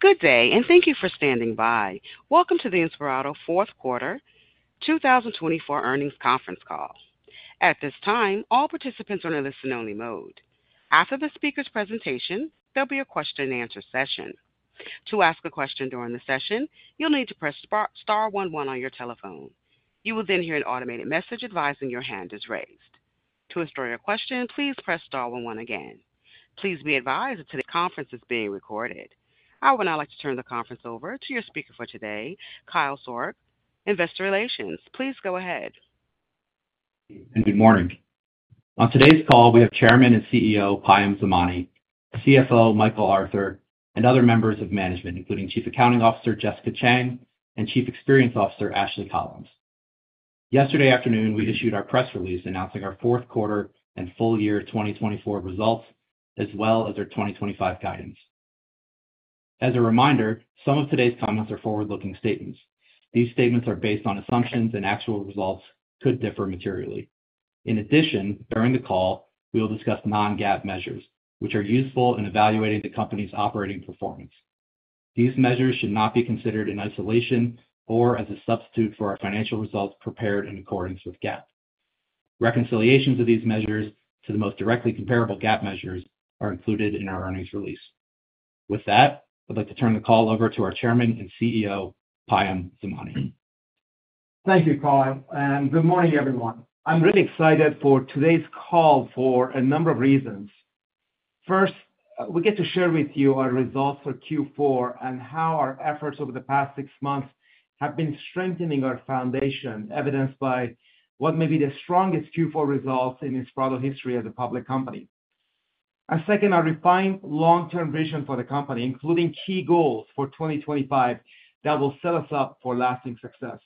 Good day, and thank you for standing by. Welcome to the Inspirato Fourth Quarter 2024 earnings conference call. At this time, all participants are in a listen-only mode. After the speaker's presentation, there'll be a question-and-answer session. To ask a question during the session, you'll need to press Star 11 on your telephone. You will then hear an automated message advising your hand is raised. To ask your question, please press Star 11 again. Please be advised that today's conference is being recorded. I would now like to turn the conference over to your speaker for today, Kyle Sourk, Investor Relations. Please go ahead. Good morning. On today's call, we have Chairman and CEO Payam Zamani; CFO Michael Arthur; and other members of management, including Chief Accounting Officer Jessica Chang; and Chief Experience Officer Ashley Collins. Yesterday afternoon, we issued our press release announcing our fourth quarter and full year 2024 results, as well as our 2025 guidance. As a reminder, some of today's comments are forward-looking statements. These statements are based on assumptions, and actual results could differ materially. In addition, during the call, we will discuss non-GAAP measures, which are useful in evaluating the company's operating performance. These measures should not be considered in isolation or as a substitute for our financial results prepared in accordance with GAAP. Reconciliations of these measures to the most directly comparable GAAP measures are included in our earnings release. With that, I'd like to turn the call over to our Chairman and CEO, Payam Zamani. Thank you, Kyle. Good morning, everyone. I'm really excited for today's call for a number of reasons. First, we get to share with you our results for Q4 and how our efforts over the past six months have been strengthening our foundation, evidenced by what may be the strongest Q4 results in Inspirato's history as a public company. Second, our refined long-term vision for the company, including key goals for 2025 that will set us up for lasting success.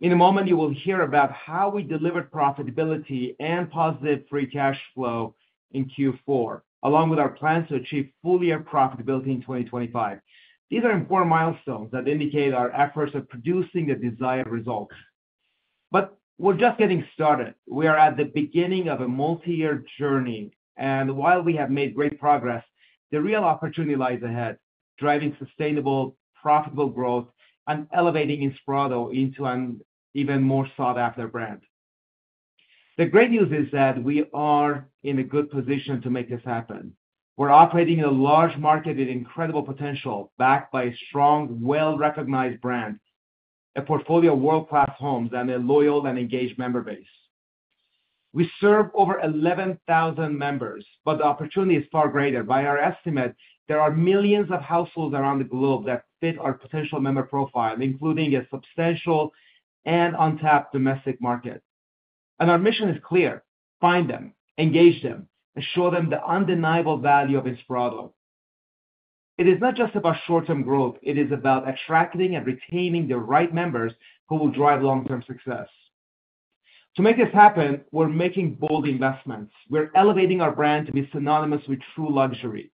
In a moment, you will hear about how we delivered profitability and positive free cash flow in Q4, along with our plans to achieve full-year profitability in 2025. These are important milestones that indicate our efforts at producing the desired results. We're just getting started. We are at the beginning of a multi-year journey. While we have made great progress, the real opportunity lies ahead, driving sustainable, profitable growth and elevating Inspirato into an even more sought-after brand. The great news is that we are in a good position to make this happen. We're operating in a large market with incredible potential backed by a strong, well-recognized brand, a portfolio of world-class homes, and a loyal and engaged member base. We serve over 11,000 members, but the opportunity is far greater. By our estimate, there are millions of households around the globe that fit our potential member profile, including a substantial and untapped domestic market. Our mission is clear: find them, engage them, and show them the undeniable value of Inspirato. It is not just about short-term growth; it is about attracting and retaining the right members who will drive long-term success. To make this happen, we're making bold investments. We're elevating our brand to be synonymous with true luxury.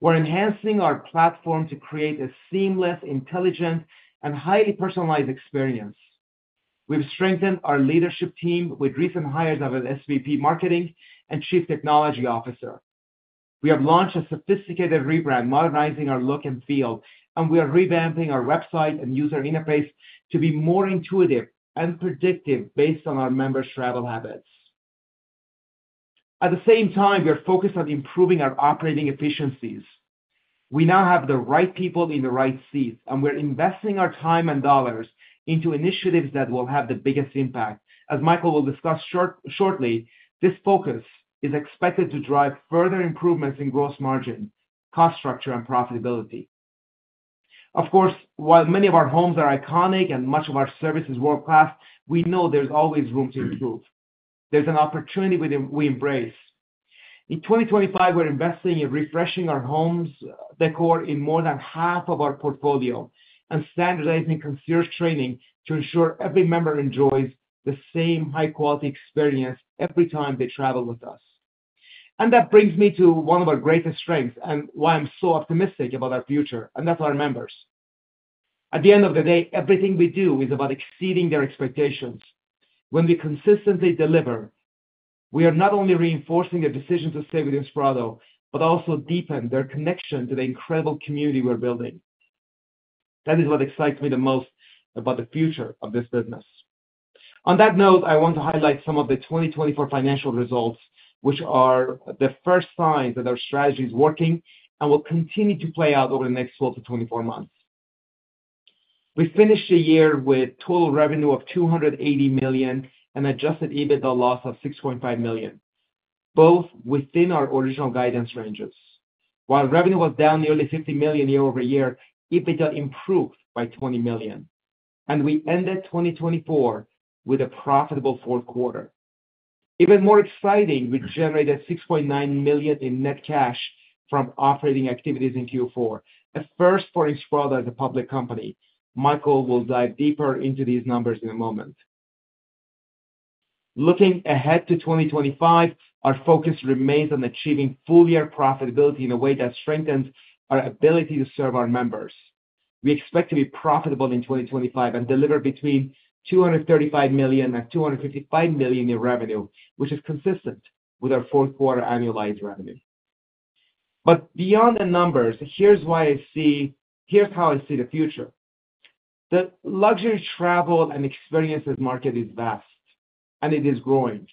We're enhancing our platform to create a seamless, intelligent, and highly personalized experience. We've strengthened our leadership team with recent hires of an SVP Marketing and Chief Technology Officer. We have launched a sophisticated rebrand, modernizing our look and feel, and we are revamping our website and user interface to be more intuitive and predictive based on our members' travel habits. At the same time, we are focused on improving our operating efficiencies. We now have the right people in the right seats, and we're investing our time and dollars into initiatives that will have the biggest impact. As Michael will discuss shortly, this focus is expected to drive further improvements in gross margin, cost structure, and profitability. Of course, while many of our homes are iconic and much of our service is world-class, we know there's always room to improve. There's an opportunity we embrace. In 2025, we're investing in refreshing our home decor in more than half of our portfolio and standardizing concierge training to ensure every member enjoys the same high-quality experience every time they travel with us. That brings me to one of our greatest strengths and why I'm so optimistic about our future, and that's our members. At the end of the day, everything we do is about exceeding their expectations. When we consistently deliver, we are not only reinforcing their decision to stay with Inspirato but also deepen their connection to the incredible community we're building. That is what excites me the most about the future of this business. On that note, I want to highlight some of the 2024 financial results, which are the first signs that our strategy is working and will continue to play out over the next 12 to 24 months. We finished the year with total revenue of $280 million and adjusted EBITDA loss of $6.5 million, both within our original guidance ranges. While revenue was down nearly $50 million year-over-year, EBITDA improved by $20 million. We ended 2024 with a profitable fourth quarter. Even more exciting, we generated $6.9 million in net cash from operating activities in Q4, a first for Inspirato as a public company. Michael will dive deeper into these numbers in a moment. Looking ahead to 2025, our focus remains on achieving full-year profitability in a way that strengthens our ability to serve our members. We expect to be profitable in 2025 and deliver between $235 million and $255 million in revenue, which is consistent with our fourth-quarter annualized revenue. Beyond the numbers, here's how I see the future. The luxury travel and experiences market is vast, and it is growing,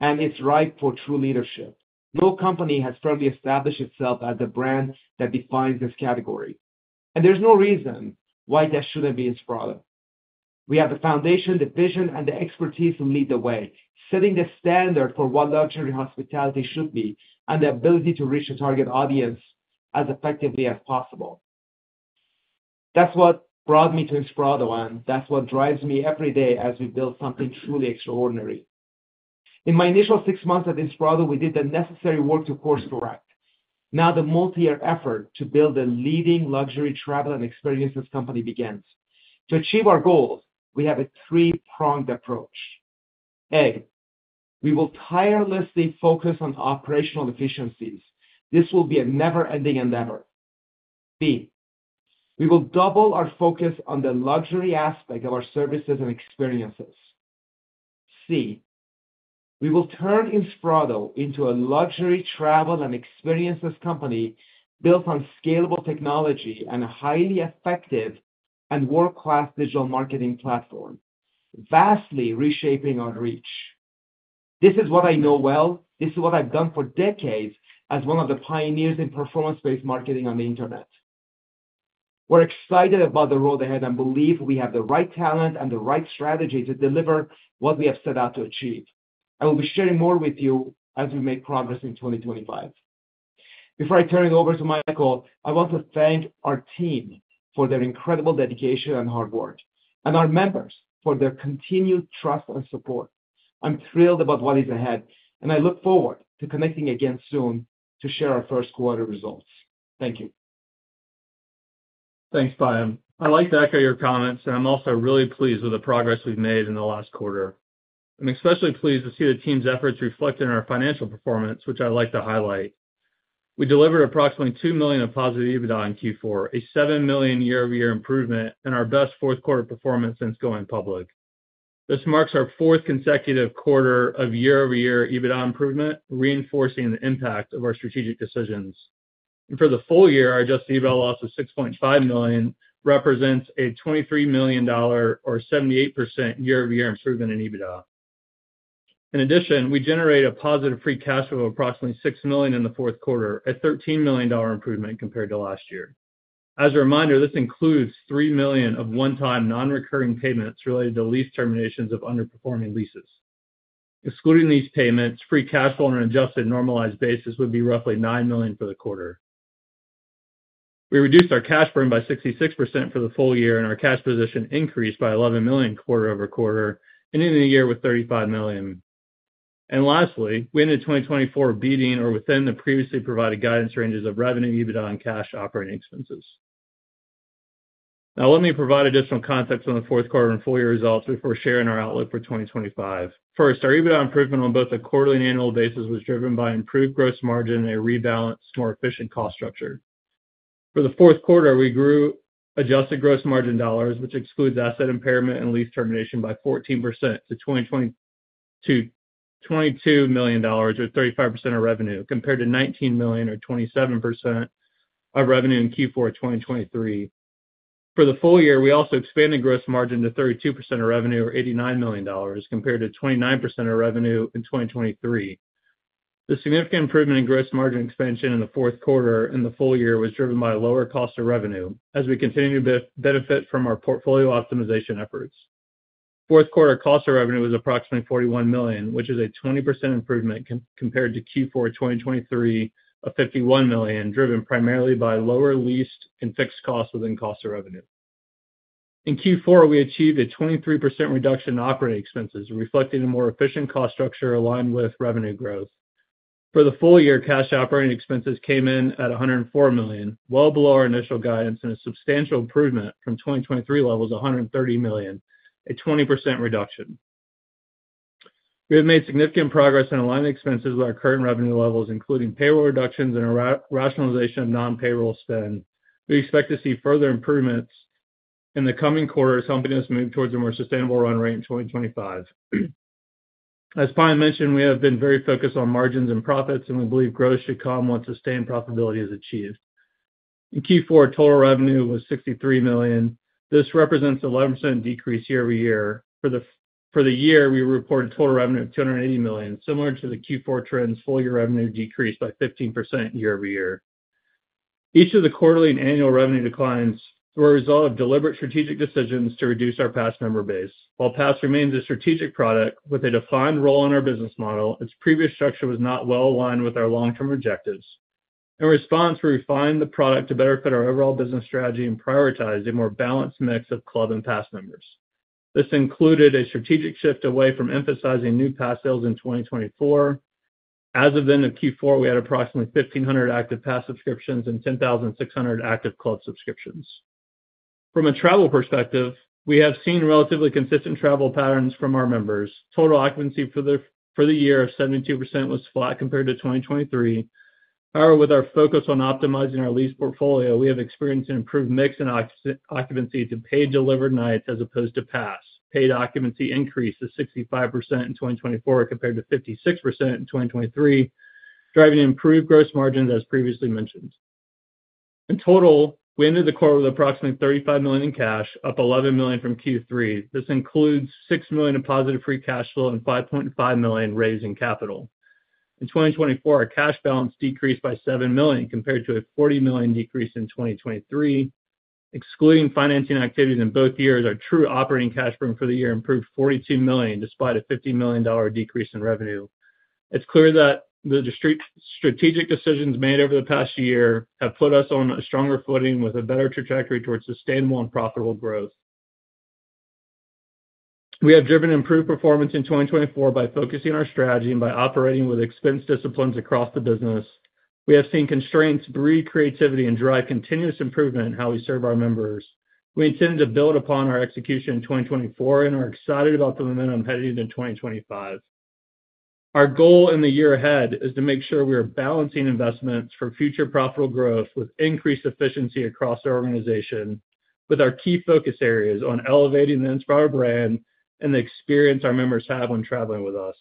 and it's ripe for true leadership. No company has firmly established itself as the brand that defines this category. There's no reason why that shouldn't be Inspirato. We have the foundation, the vision, and the expertise to lead the way, setting the standard for what luxury hospitality should be and the ability to reach a target audience as effectively as possible. That's what brought me to Inspirato, and that's what drives me every day as we build something truly extraordinary. In my initial six months at Inspirato, we did the necessary work to course-correct. Now, the multi-year effort to build a leading luxury travel and experiences company begins. To achieve our goals, we have a three-pronged approach. A, we will tirelessly focus on operational efficiencies. This will be a never-ending endeavor. B, we will double our focus on the luxury aspect of our services and experiences. C, we will turn Inspirato into a luxury travel and experiences company built on scalable technology and a highly effective and world-class digital marketing platform, vastly reshaping our reach. This is what I know well. This is what I've done for decades as one of the pioneers in performance-based marketing on the internet. We're excited about the road ahead and believe we have the right talent and the right strategy to deliver what we have set out to achieve. I will be sharing more with you as we make progress in 2025. Before I turn it over to Michael, I want to thank our team for their incredible dedication and hard work, and our members for their continued trust and support. I'm thrilled about what is ahead, and I look forward to connecting again soon to share our first-quarter results. Thank you. Thanks, Payam. I'd like to echo your comments, and I'm also really pleased with the progress we've made in the last quarter. I'm especially pleased to see the team's efforts reflected in our financial performance, which I'd like to highlight. We delivered approximately $2 million in positive EBITDA in Q4, a $7 million year-over-year improvement in our best fourth-quarter performance since going public. This marks our fourth consecutive quarter of year-over-year EBITDA improvement, reinforcing the impact of our strategic decisions. For the full year, our adjusted EBITDA loss of $6.5 million represents a $23 million, or 78% year-over-year improvement in EBITDA. In addition, we generated a positive free cash flow of approximately $6 million in the fourth quarter, a $13 million improvement compared to last year. As a reminder, this includes $3 million of one-time non-recurring payments related to lease terminations of underperforming leases. Excluding these payments, free cash flow on an adjusted normalized basis would be roughly $9 million for the quarter. We reduced our cash burn by 66% for the full year, and our cash position increased by $11 million quarter over quarter, ending the year with $35 million. Lastly, we ended 2024 beating or within the previously provided guidance ranges of revenue, EBITDA, and cash operating expenses. Now, let me provide additional context on the fourth quarter and full-year results before sharing our outlook for 2025. First, our EBITDA improvement on both a quarterly and annual basis was driven by improved gross margin and a rebalanced, more efficient cost structure. For the fourth quarter, we grew adjusted gross margin dollars, which excludes asset impairment and lease termination, by 14% to $22 million, or 35% of revenue, compared to $19 million, or 27% of revenue in Q4 of 2023. For the full year, we also expanded gross margin to 32% of revenue, or $89 million, compared to 29% of revenue in 2023. The significant improvement in gross margin expansion in the fourth quarter and the full year was driven by a lower cost of revenue as we continue to benefit from our portfolio optimization efforts. Fourth quarter cost of revenue was approximately $41 million, which is a 20% improvement compared to Q4 of 2023 of $51 million, driven primarily by lower lease and fixed costs within cost of revenue. In Q4, we achieved a 23% reduction in operating expenses, reflecting a more efficient cost structure aligned with revenue growth. For the full year, cash operating expenses came in at $104 million, well below our initial guidance, and a substantial improvement from 2023 levels of $130 million, a 20% reduction. We have made significant progress in aligning expenses with our current revenue levels, including payroll reductions and a rationalization of non-payroll spend. We expect to see further improvements in the coming quarters, helping us move towards a more sustainable run rate in 2025. As Payam mentioned, we have been very focused on margins and profits, and we believe growth should come once sustained profitability is achieved. In Q4, total revenue was $63 million. This represents an 11% decrease year-over-year. For the year, we reported total revenue of $280 million, similar to the Q4 trend's full-year revenue decrease by 15% year-over-year. Each of the quarterly and annual revenue declines were a result of deliberate strategic decisions to reduce our Pass member base. While Pass remains a strategic product with a defined role in our business model, its previous structure was not well aligned with our long-term objectives. In response, we refined the product to better fit our overall business strategy and prioritized a more balanced mix of Club and Pass members. This included a strategic shift away from emphasizing new Pass sales in 2024. As of the end of Q4, we had approximately 1,500 active Pass subscriptions and 10,600 active Club subscriptions. From a travel perspective, we have seen relatively consistent travel patterns from our members. Total occupancy for the year of 72% was flat compared to 2023. However, with our focus on optimizing our lease portfolio, we have experienced an improved mix in occupancy to paid delivered nights as opposed to Pass. Paid occupancy increased to 65% in 2024 compared to 56% in 2023, driving improved gross margins as previously mentioned. In total, we ended the quarter with approximately $35 million in cash, up $11 million from Q3. This includes $6 million in positive free cash flow and $5.5 million raised in capital. In 2024, our cash balance decreased by $7 million compared to a $40 million decrease in 2023. Excluding financing activities in both years, our true operating cash burn for the year improved $42 million despite a $50 million decrease in revenue. It's clear that the strategic decisions made over the past year have put us on a stronger footing with a better trajectory towards sustainable and profitable growth. We have driven improved performance in 2024 by focusing on our strategy and by operating with expense disciplines across the business. We have seen constraints breed creativity and drive continuous improvement in how we serve our members. We intend to build upon our execution in 2024 and are excited about the momentum headed into 2025. Our goal in the year ahead is to make sure we are balancing investments for future profitable growth with increased efficiency across our organization, with our key focus areas on elevating the Inspirato brand and the experience our members have when traveling with us.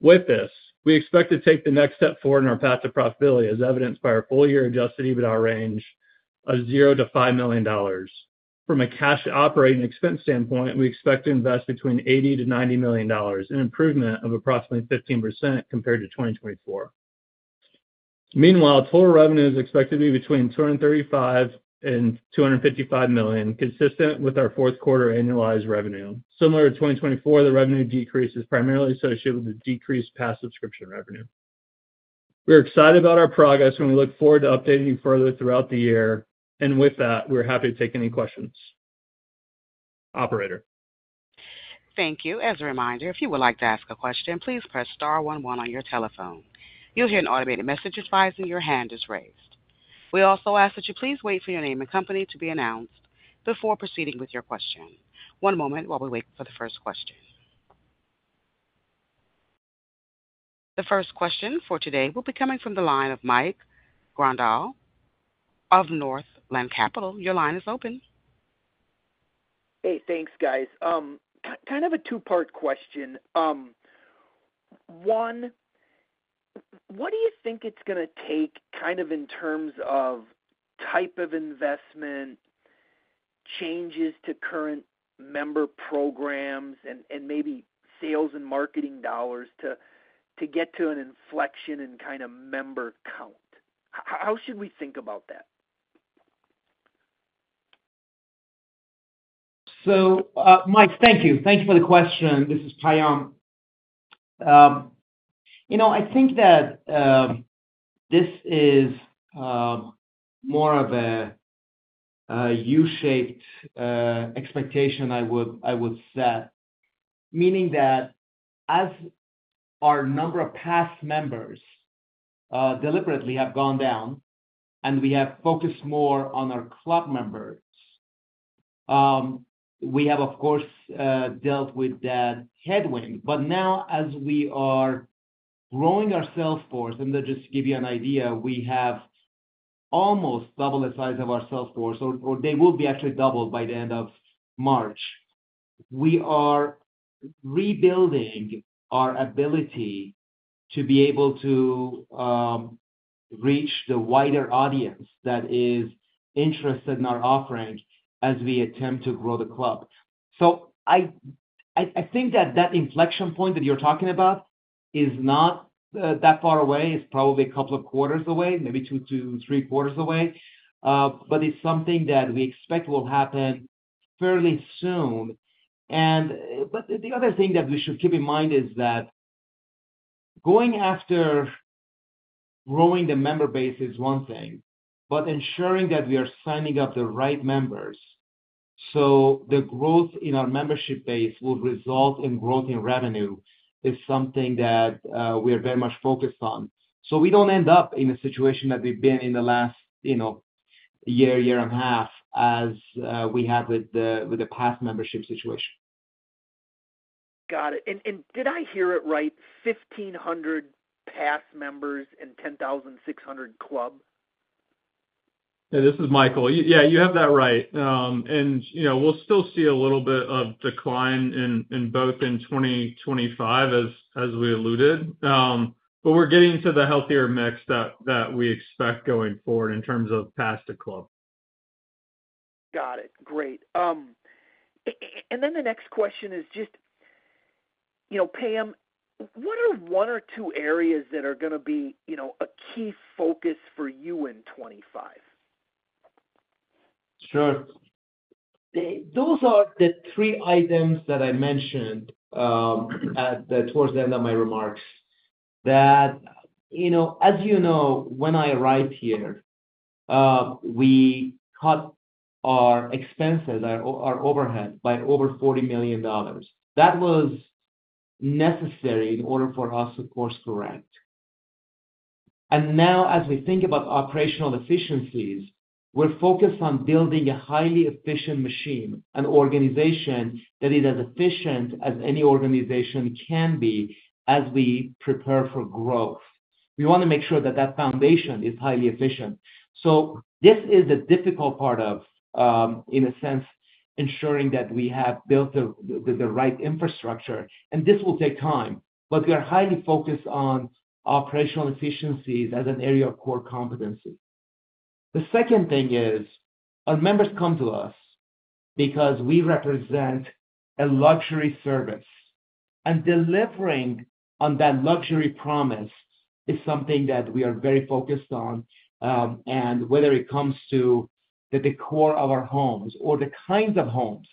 With this, we expect to take the next step forward in our path to profitability, as evidenced by our full-year adjusted EBITDA range of $0 million-$5 million. From a cash operating expense standpoint, we expect to invest between $80 million-$90 million, an improvement of approximately 15% compared to 2024. Meanwhile, total revenue is expected to be between $235 million-$255 million, consistent with our fourth quarter annualized revenue. Similar to 2024, the revenue decrease is primarily associated with the decreased Pass subscription revenue. We are excited about our progress and we look forward to updating further throughout the year. We're happy to take any questions. Thank you. As a reminder, if you would like to ask a question, please press star 11 on your telephone. You'll hear an automated message advising your hand is raised. We also ask that you please wait for your name and company to be announced before proceeding with your question. One moment while we wait for the first question. The first question for today will be coming from the line of Mike Grondahl of Northland Capital. Your line is open. Hey, thanks, guys. Kind of a two-part question. One, what do you think it's going to take kind of in terms of type of investment, changes to current member programs, and maybe sales and marketing dollars to get to an inflection in kind of member count? How should we think about that? Mike, thank you. Thank you for the question. This is Payam. You know, I think that this is more of a U-shaped expectation I would set, meaning that as our number of Pass members deliberately have gone down and we have focused more on our Club members, we have, of course, dealt with that headwind. Now, as we are growing our sales force, and to just give you an idea, we have almost doubled the size of our sales force, or they will be actually doubled by the end of March. We are rebuilding our ability to be able to reach the wider audience that is interested in our offering as we attempt to grow the Club. I think that that inflection point that you're talking about is not that far away. It's probably a couple of quarters away, maybe two, three, four quarters away. It is something that we expect will happen fairly soon. The other thing that we should keep in mind is that going after growing the member base is one thing, but ensuring that we are signing up the right members so the growth in our membership base will result in growth in revenue is something that we are very much focused on. We do not end up in a situation that we have been in the last, you know, year, year and a half as we had with the Pass membership situation. Got it. Did I hear it right? 1,500 Pass members and 10,600 Club? Yeah, this is Michael. Yeah, you have that right. We'll still see a little bit of decline in both in 2025, as we alluded. We're getting to the healthier mix that we expect going forward in terms of Pass to Club. Got it. Great. The next question is just, you know, Payam, what are one or two areas that are going to be, you know, a key focus for you in 2025? Sure. Those are the three items that I mentioned towards the end of my remarks. That, you know, as you know, when I arrived here, we cut our expenses, our overhead, by over $40 million. That was necessary in order for us to course-correct. Now, as we think about operational efficiencies, we're focused on building a highly efficient machine, an organization that is as efficient as any organization can be as we prepare for growth. We want to make sure that that foundation is highly efficient. This is the difficult part of, in a sense, ensuring that we have built the right infrastructure. This will take time. We are highly focused on operational efficiencies as an area of core competency. The second thing is our members come to us because we represent a luxury service. Delivering on that luxury promise is something that we are very focused on. Whether it comes to the decor of our homes or the kinds of homes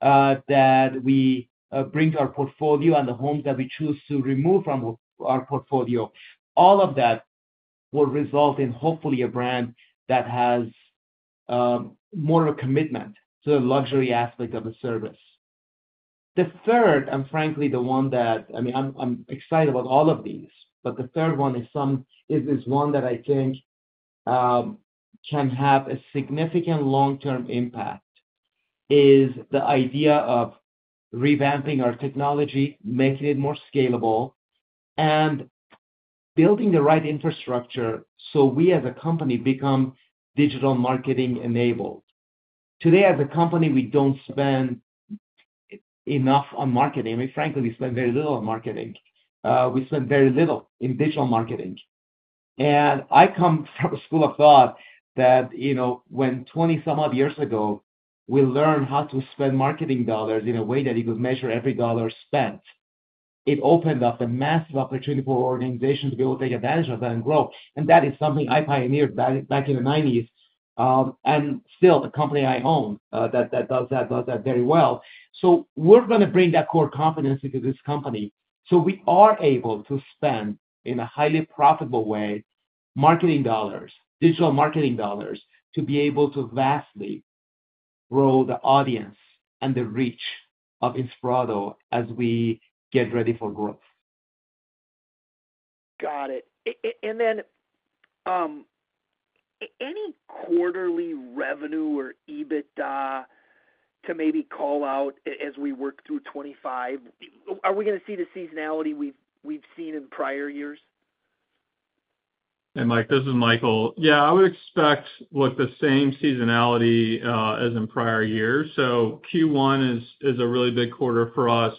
that we bring to our portfolio and the homes that we choose to remove from our portfolio, all of that will result in, hopefully, a brand that has more of a commitment to the luxury aspect of the service. The third, and frankly, the one that, I mean, I'm excited about all of these, but the third one is one that I think can have a significant long-term impact, is the idea of revamping our technology, making it more scalable, and building the right infrastructure so we, as a company, become digital marketing-enabled. Today, as a company, we don't spend enough on marketing. I mean, frankly, we spend very little on marketing. We spend very little in digital marketing. I come from a school of thought that, you know, when 20-some-odd years ago, we learned how to spend marketing dollars in a way that you could measure every dollar spent, it opened up a massive opportunity for organizations to be able to take advantage of that and grow. That is something I pioneered back in the 1990s. Still, a company I own does that very well. We are going to bring that core competency to this company so we are able to spend in a highly profitable way marketing dollars, digital marketing dollars, to be able to vastly grow the audience and the reach of Inspirato as we get ready for growth. Got it. And then any quarterly revenue or EBITDA to maybe call out as we work through 2025? Are we going to see the seasonality we've seen in prior years? Mike, this is Michael. Yeah, I would expect, look, the same seasonality as in prior years. Q1 is a really big quarter for us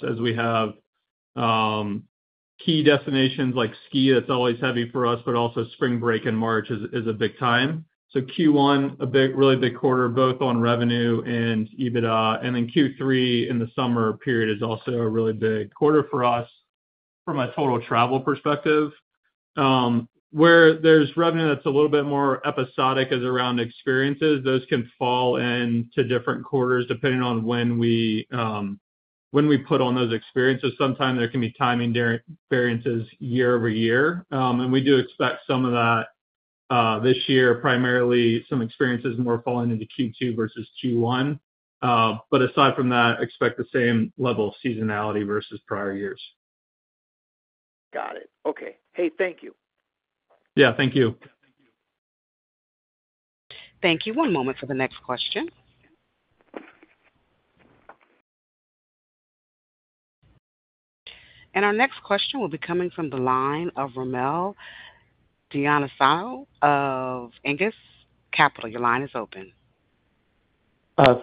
as we have key destinations like ski that's always heavy for us, but also spring break in March is a big time. Q1, a really big quarter, both on revenue and EBITDA. Q3 in the summer period is also a really big quarter for us from a total travel perspective. Where there's revenue that's a little bit more episodic as around experiences, those can fall into different quarters depending on when we put on those experiences. Sometimes there can be timing variances year-over-year. We do expect some of that this year, primarily some experiences more falling into Q2 versus Q1. Aside from that, expect the same level of seasonality versus prior years. Got it. Okay. Hey, thank you. Yeah, thank you. Thank you. One moment for the next question. Our next question will be coming from the line of Rommel Dionisio of Aegis Capital. Your line is open.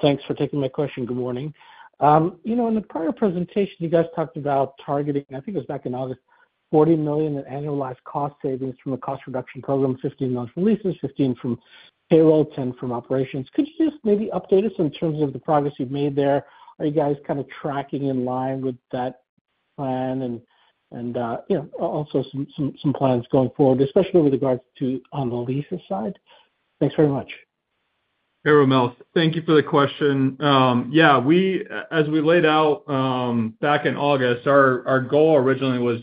Thanks for taking my question. Good morning. You know, in the prior presentation, you guys talked about targeting, I think it was back in August, $40 million in annualized cost savings from a cost reduction program, $15 million from leases, $15 million from payroll, $10 million from operations. Could you just maybe update us in terms of the progress you've made there? Are you guys kind of tracking in line with that plan? You know, also some plans going forward, especially with regards to on the leases side? Thanks very much. Hey, Rommel. Thank you for the question. Yeah, as we laid out back in August, our goal originally was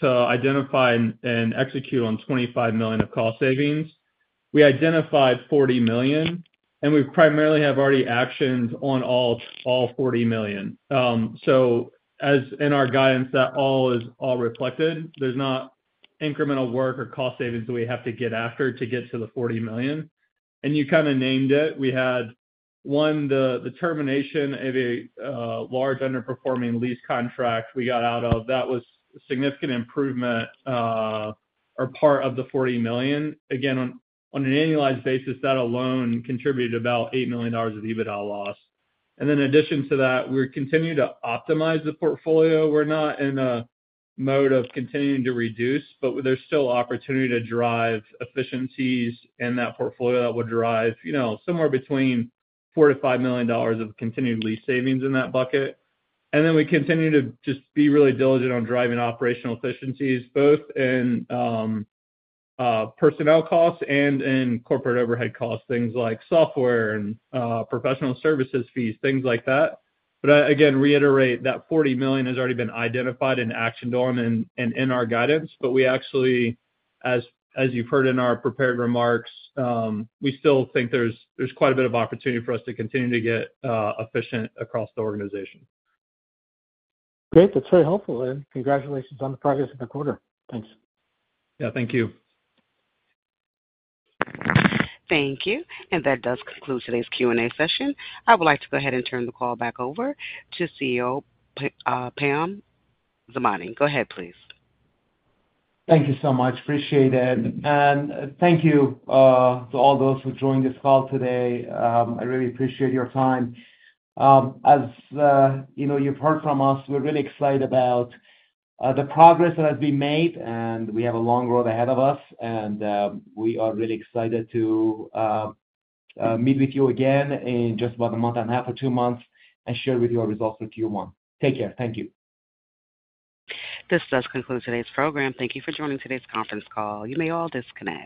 to identify and execute on $25 million of cost savings. We identified $40 million, and we primarily have already actions on all $40 million. As in our guidance, that all is all reflected. There's not incremental work or cost savings that we have to get after to get to the $40 million. You kind of named it. We had, one, the termination of a large underperforming lease contract we got out of. That was a significant improvement or part of the $40 million. Again, on an annualized basis, that alone contributed about $8 million of EBITDA loss. In addition to that, we're continuing to optimize the portfolio. We're not in a mode of continuing to reduce, but there's still opportunity to drive efficiencies in that portfolio that would drive, you know, somewhere between $4 million-$5 million of continued lease savings in that bucket. We continue to just be really diligent on driving operational efficiencies, both in personnel costs and in corporate overhead costs, things like software and professional services fees, things like that. Again, reiterate that $40 million has already been identified and actioned on and in our guidance. We actually, as you've heard in our prepared remarks, still think there's quite a bit of opportunity for us to continue to get efficient across the organization. Great. That's very helpful, and congratulations on the progress of the quarter. Thanks. Yeah, thank you. Thank you. That does conclude today's Q&A session. I would like to go ahead and turn the call back over to CEO Payam Zamani. Go ahead, please. Thank you so much. Appreciate it. Thank you to all those who joined this call today. I really appreciate your time. As you know, you've heard from us. We're really excited about the progress that has been made, and we have a long road ahead of us. We are really excited to meet with you again in just about a month and a half or two months and share with you our results for Q1. Take care. Thank you. This does conclude today's program. Thank you for joining today's conference call. You may all disconnect.